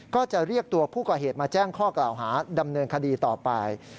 ก็จะเรียกตัวผู้ก่อเหตุมาแจ้งข้อกล่าวหาดำเนินคดีต่อไป